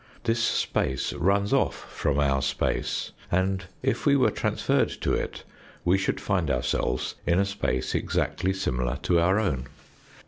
This space runs off from our space, and if we were transferred to it we should find ourselves in a space exactly similar to our own.